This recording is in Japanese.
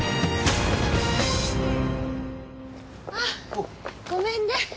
あごめんね。